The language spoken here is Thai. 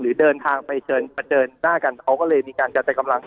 เดินทางไปเชิญมาเดินหน้ากันเขาก็เลยมีการกระจายกำลัง